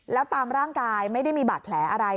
แล้วตามร่างกายไม่ได้มีบาดแผลอะไร